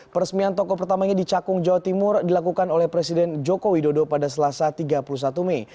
peresmian toko pertamanya di cakung jawa timur dilakukan oleh presiden joko widodo pada selasa tiga puluh satu mei